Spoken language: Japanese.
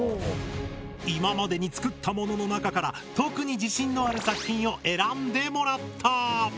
今までに作ったものの中から特に自信のある作品を選んでもらった。